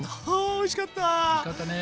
おいしかったね。